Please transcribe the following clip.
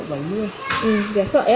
ừ rẻ sợi á